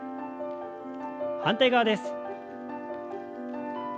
反対側です。